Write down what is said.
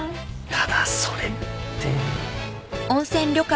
ただそれって。